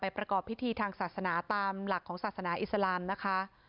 ประกอบพิธีทางศาสนาตามหลักของศาสนาอิสลามนะคะ